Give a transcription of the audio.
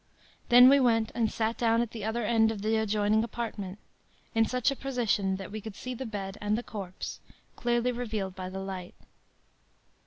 Then we went and sat down at the other end of the adjoining apartment, in such a position that we could see the bed and the corpse, clearly revealed by the light.